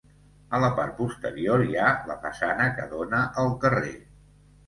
A la part posterior hi ha la façana que dóna al carrer.